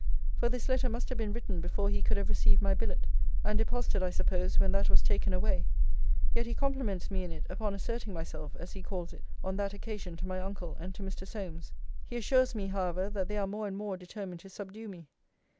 For this letter must have been written before he could have received my billet; and deposited, I suppose, when that was taken away; yet he compliments me in it upon asserting myself (as he calls it) on that occasion to my uncle and to Mr. Solmes. 'He assures me, however, that they are more and more determined to subdue me.